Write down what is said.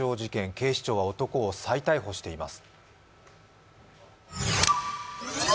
警視庁は男を再逮捕しています。